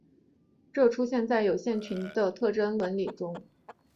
这出现在有限群的特征理论中。